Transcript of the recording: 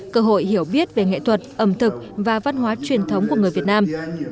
cơ hội hiểu biết về nghệ thuật ẩm thực và văn hóa truyền thống của người việt nam